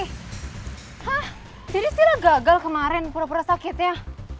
hah jadi sila gagal kemarin pura pura sakitnya